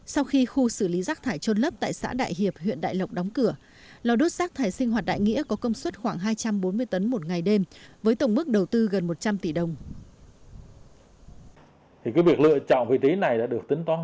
sau khi khu xử lý rác thải trôn lớp tại xã đại hiệp huyện đại lộc đóng cửa lò đốt rác thải sinh hoạt đại nghĩa có công suất khoảng hai trăm bốn mươi tấn một ngày đêm với tổng mức đầu tư gần một trăm linh tỷ đồng